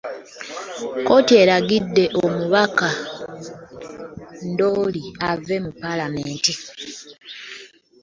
Kkooti eragidde omubaka Ndooli ave mu Paalamenti.